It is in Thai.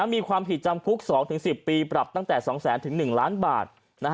มีความผิดจำคุก๒๑๐ปีปรับตั้งแต่๒๐๐๐๑ล้านบาท